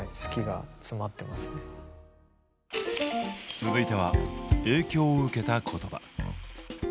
続いては影響を受けた言葉。